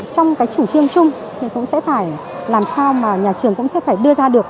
trong cái chủ trương chung thì cũng sẽ phải làm sao mà nhà trường cũng sẽ phải đưa ra được